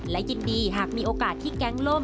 และยินดีหากมีโอกาสที่แก๊งล่ม